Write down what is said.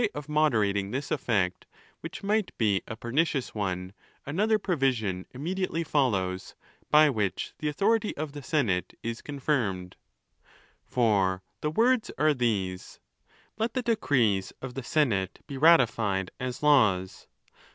of moderating this effect, which might be a pernicious one, AT4 ON THE LAWS: another provision immediately follows, by which the authority of the senate is confirmed. For the words are these,—Let the decrees of the senate be ratified as laws.